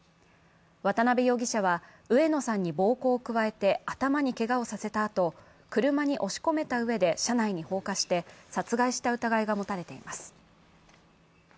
渡部容疑者は、上野さんに暴行を加えて頭にけがをさせたあと車に押し込めたうえで車内に放火して殺害した疑いが持たれています。